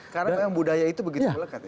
karena budaya itu begitu melekat